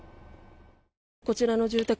こちらの住宅